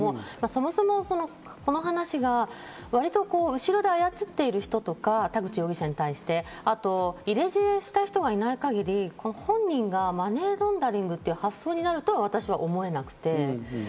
そもそもこの話が割と後ろであやつっている人とか、田口容疑者に対して、あと入れ知恵した人がいない限り、本人がマネーロンダリングっていう発想になるとは私は思えなくて。